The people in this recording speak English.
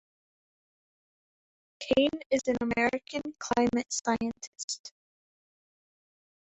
Cane is an American climate scientist.